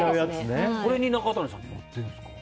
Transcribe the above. これに中谷さん乗ってるんですか？